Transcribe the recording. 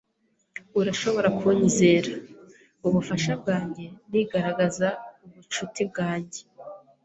Urashobora kunyizera, ubufasha bwanjye nigaragaza ubucuti bwanjye